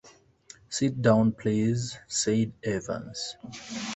“Sit down, please,” said Evans.